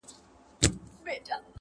تر نظر يې تېروله ټول كونجونه-